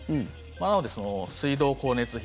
なので、水道光熱費